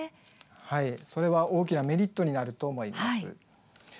はい、それは大きなメリットになると思います。